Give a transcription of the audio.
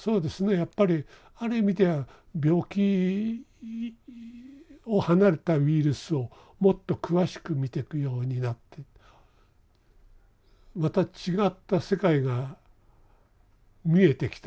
やっぱりある意味では病気を離れたウイルスをもっと詳しく見てくようになってまた違った世界が見えてきた。